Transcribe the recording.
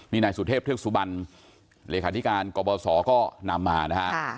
นี่นายสุเทพธุรกษุบันหลักขาดิการกปสก็นำมานะครับ